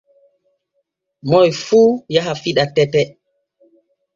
Moy fuu tinno yaha fiɗa tete.